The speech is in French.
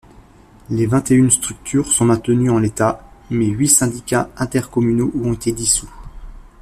Les vingt-et-une structures sont maintenues en l'état, mais huit syndicats intercommunaux ont été dissous.